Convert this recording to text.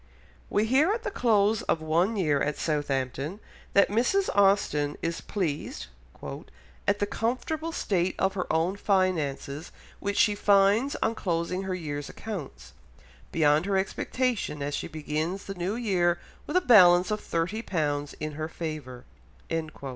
We hear at the close of one year at Southampton that Mrs. Austen is pleased "at the comfortable state of her own finances, which she finds on closing her year's accounts, beyond her expectation, as she begins the new year with a balance of thirty pounds in her favour."